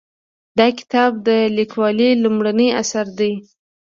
دا کتاب د لیکوالې لومړنی اثر دی